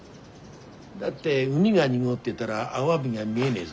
だって海が濁ってたらアワビが見えねえぞ。